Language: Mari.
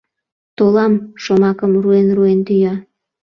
Толам! — шомакым руэн-руэн тӱя.